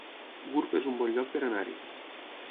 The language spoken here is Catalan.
Gurb es un bon lloc per anar-hi